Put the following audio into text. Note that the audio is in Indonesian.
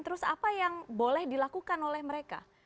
terus apa yang boleh dilakukan oleh mereka